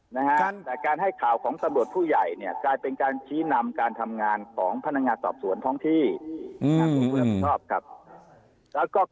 นะฮะแต่การให้ข่าวของตำรวจผู้ใหญ่เนี่ยกลายเป็นการชี้นำการทำงานของพนักงานสอบสวนท้องที่พนักงานสอบสวนผู้รับผิดชอบครับ